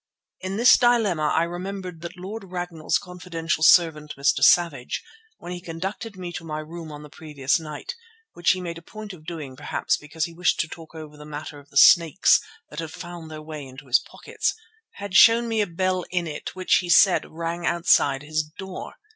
In this dilemma I remembered that Lord Ragnall's confidential servant, Mr. Savage, when he conducted me to my room on the previous night, which he made a point of doing perhaps because he wished to talk over the matter of the snakes that had found their way into his pockets, had shown me a bell in it which he said rang outside his door.